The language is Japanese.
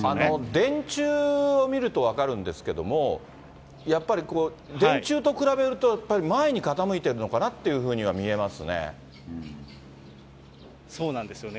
電柱を見ると分かるんですけども、やっぱりこう、電柱と比べるとやっぱり前に傾いているのかなというふうには見えそうなんですよね。